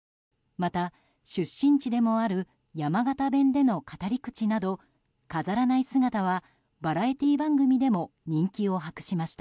また、出身地でもある山形弁での語り口など飾らない姿はバラエティー番組でも人気を博しました。